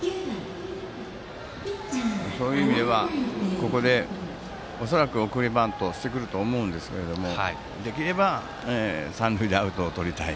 そういう意味ではここで恐らく送りバントしてくると思うんですができれば三塁でアウトをとりたい。